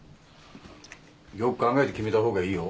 よく考えて決めた方がいいよ。